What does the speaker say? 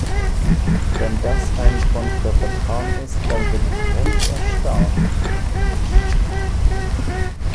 Wenn das ein Grund für Vertrauen ist, dann bin ich recht erstaunt.